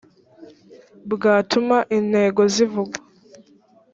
bwatuma intego zivugwa